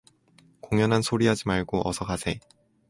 공연한 소리 하지 말고 어서 가세.